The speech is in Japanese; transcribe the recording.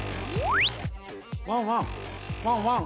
ワンワンワンワン！